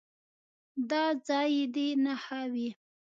دا ځای دې نښه وي.